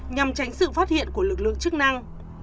nhằm tránh sự phát hiện của lực lượng chức năng